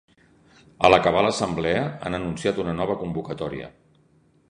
A l’acabar l’assemblea han anunciat una nova convocatòria.